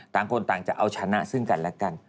ต่างคนต่างจะเอาชนะซึ่งกันและกัน